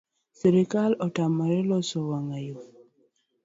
Sirikal otamore loso wang’ayo